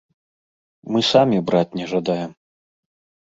Мы самі браць не жадаем.